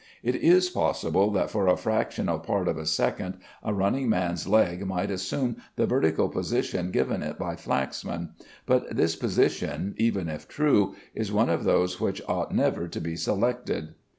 It is possible that for a fractional part of a second, a running man's leg might assume the vertical position given it by Flaxman; but this position, even if true, is one of those which ought never to be selected.